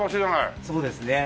そうですね。